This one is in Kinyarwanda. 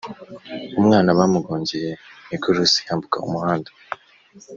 Umwana bamugongeye mwikorosi yambuka umuhanda